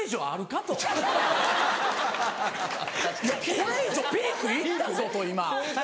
これ以上ピーク行ったぞ！と今。